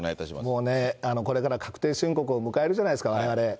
もうね、これから確定申告を迎えるじゃないですか、われわれ。